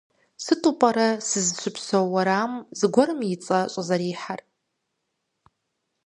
Сыту пӏэрэ сыщыпсэу уэрамым зыгуэрым и цӏэ щӏызэрихьэр?